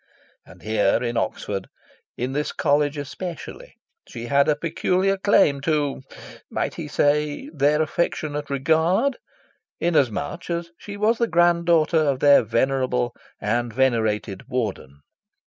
And here in Oxford, and in this College especially, she had a peculiar claim to might he say? their affectionate regard, inasmuch as she was the grand daughter of their venerable and venerated Warden.